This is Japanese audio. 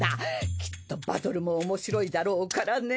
きっとバトルもおもしろいだろうからね。